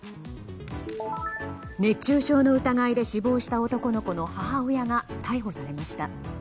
熱中症の疑いで死亡した男の子の母親が逮捕されました。